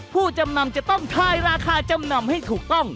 ผู้จำนำจะต้องทายราคาจำนำให้ถูกต้อง